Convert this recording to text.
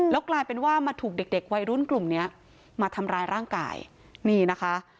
แล้วกลายเป็นว่ามาถูกเด็กเด็กวัยรุ่นกลุ่มเนี้ยมาทำร้ายร่างกายนี่นะคะ